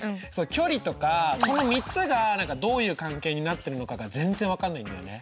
「距離」とかこの３つが何かどういう関係になってるのかが全然分かんないんだよね。